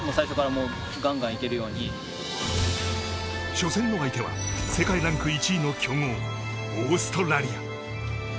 初戦の相手は世界ランク１位の強豪オーストラリア。